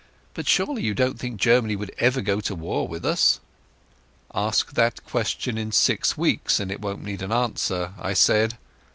But you surely don't think Germany would ever go to war with us?" "Ask that question in six weeks and it won't need an answer," I said.